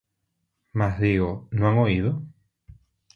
Mas digo: ¿No han oído?